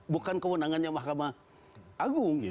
bukan kewenangannya mahkamah agung